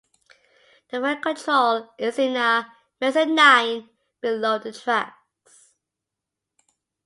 The fare control is in a mezzanine below the tracks.